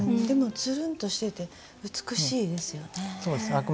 でもつるんとしてて美しいですよね。